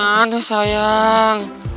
tapi aku diterima sayang